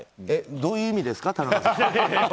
どういう意味ですか？